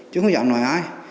chứ không dám nói ai